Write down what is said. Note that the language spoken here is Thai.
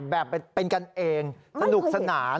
แบบเป็นกันเองสนุกสนาน